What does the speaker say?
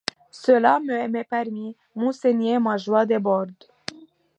Cela m'est permis, monseigneur ; ma joie déborde.